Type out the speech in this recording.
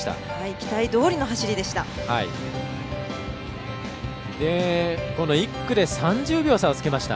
期待どおりの走りでした。